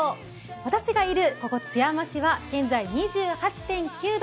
私がいるここ津山市は現在２８．９度。